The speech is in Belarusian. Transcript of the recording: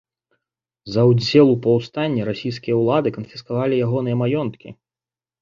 За ўдзел у паўстанні расійскія ўлады канфіскавалі ягоныя маёнткі.